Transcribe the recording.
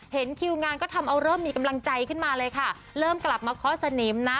คิวงานก็ทำเอาเริ่มมีกำลังใจขึ้นมาเลยค่ะเริ่มกลับมาเคาะสนิมนะ